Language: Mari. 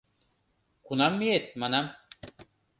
— Кунам миет, манам.